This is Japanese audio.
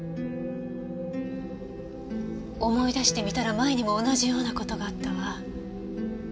思い出してみたら前にも同じような事があったわ。